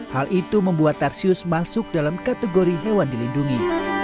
hal itu membuat tarsius masuk dalam kategori hewan dilindungi